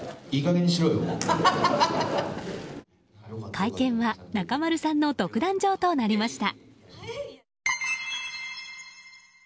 会見は中丸さんの独壇場となりました。